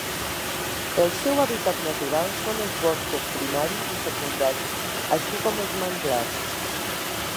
El seu hàbitat natural són els boscos primaris i secundaris, així com els manglars.